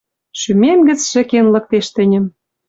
Шӱмем гӹц шӹкен лыктеш тӹньӹм